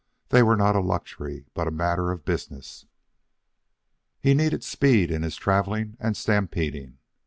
They were not a luxury, but a matter of business. He needed speed in his travelling and stampeding.